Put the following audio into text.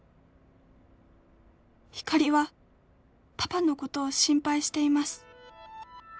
「ひかりはパパのことを心配しています」